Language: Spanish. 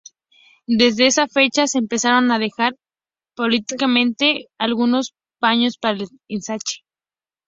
Desde esa fecha se empezaron a dejar paulatinamente algunos paños para el ensanche.